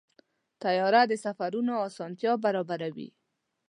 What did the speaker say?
طیاره د سفرونو اسانتیا برابروي.